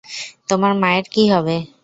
তোমার মায়ের কী হবে?